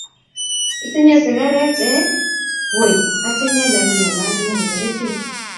Itinye sigaret ii? "Woi atinye, lakini matinye kiperitit".